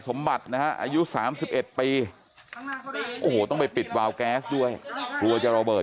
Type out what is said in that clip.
สมบัตินะฮะอายุ๓๑ปีโอ้โหต้องไปปิดวาวแก๊สด้วยกลัวจะระเบิด